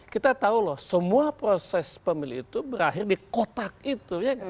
kita tahu loh semua proses pemilih itu berakhir di kotak itu